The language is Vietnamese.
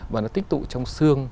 và nó tích tụ trong xương